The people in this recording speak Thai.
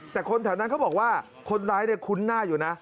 แต่คนแถวนั้นเขาบอกว่าคนร้ายคุ้นหน้าอยู่นะ